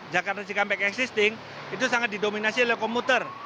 jakarta cikampek existing itu sangat didominasi oleh komuter